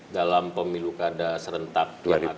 dalam pemilu kada serentak dua ribu delapan belas